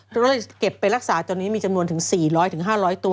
ก็เลยเก็บไปรักษาจนนี้มีจำนวนถึง๔๐๐๕๐๐ตัว